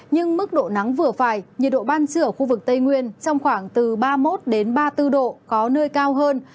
nhưng mức độ nắng vừa phải nhiệt độ ban trưa ở khu vực tây nguyên trong khoảng từ ba mươi một ba mươi bốn độ có nơi cao hơn